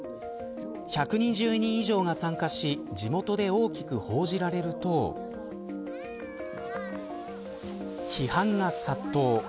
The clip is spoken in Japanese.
１２０人以上が参加し地元で大きく報じられると批判が殺到。